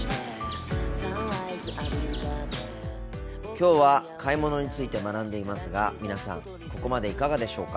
今日は買い物について学んでいますが皆さんここまでいかがでしょうか？